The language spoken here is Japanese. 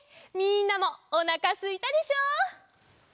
みんなもおなかすいたでしょ？